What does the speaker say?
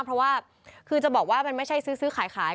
เพราะว่าคือจะบอกว่ามันไม่ใช่ซื้อขาย